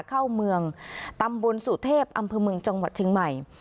เข้าเมืองตำบลสุเทพอำเภอเมืองจังหวัดเชียงใหม่